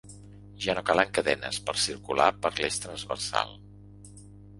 Ja no calen cadenes per circular per l'eix transversal.